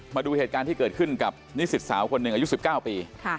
มาดูเหตุการณ์ที่เกิดขึ้นกับนิสิตสาวคนหนึ่งอายุ๑๙ปี